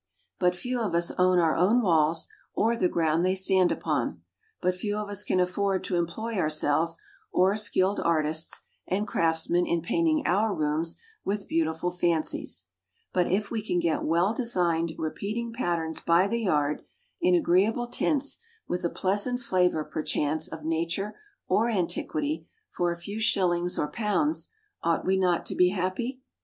But few of us own our own walls, or the ground they stand upon: but few of us can afford to employ ourselves or skilled artists and craftsmen in painting our rooms with beautiful fancies: but if we can get well designed repeating patterns by the yard, in agreeable tints, with a pleasant flavour perchance of nature or antiquity, for a few shillings or pounds, ought we not to be happy?